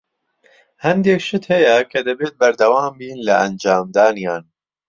هەندێک شت هەیە کە دەبێت بەردەوام بین لە ئەنجامدانیان.